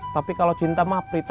tapi kalau cinta mah prita